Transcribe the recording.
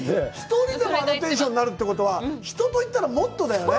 １人でも、あのテンションになるということは、人と行ったらもっとだよね。